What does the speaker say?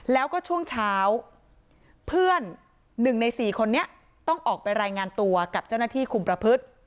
แล้วก็ช่วงเช้าเพื่อน๑ใน๔คนนี้ต้องออกไปรายงานตัวกับเจ้าหน้าที่คุมประพฤติ